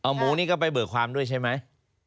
หมูนี่ก็ไปเบิกความด้วยใช่ไหม